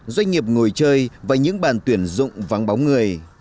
doanh nghiệp ngồi chơi và những bàn tuyển dụng vắng bóng người